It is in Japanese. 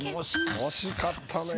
惜しかったね。